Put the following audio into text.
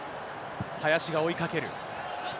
林が追いかける。